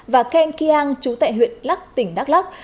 và ken kiang chú tại huyện lắc tỉnh đắk lắc